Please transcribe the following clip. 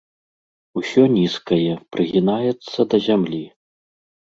Усё нізкае, прыгінаецца да зямлі.